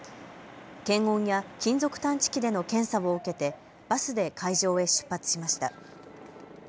検温や金属探知機での検査を受けて、バスで会場へ出発しました。